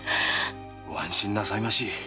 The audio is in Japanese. ご安心なさいまし。